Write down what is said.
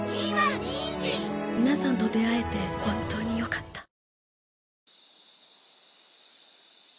皆さんと出会えて本当によかった。